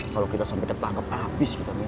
kalau kita sampai ketangkep abis kita min